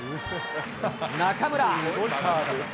中村。